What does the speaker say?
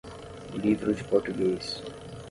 Livro de Português.